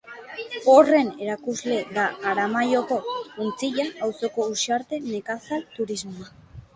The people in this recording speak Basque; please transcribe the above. Horren erakusle da Aramaioko Untzilla auzoko Uxarte Nekazal Turismoa.